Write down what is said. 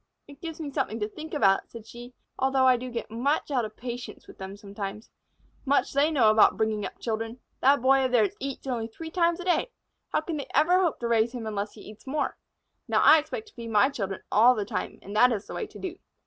"It gives me something to think about," said she, "although I do get much out of patience with them sometimes. Much they know about bringing up children! That Boy of theirs eats only three times a day. How can they ever hope to raise him unless he eats more? Now, I expect to feed my children all the time, and that is the way to do."